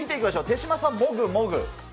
手嶋さん、もぐもぐ。